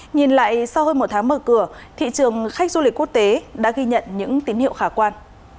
nhìn lại sau hơn một tháng mở cửa thị trường khách du lịch quốc tế đã ghi nhận những tín hiệu khả quan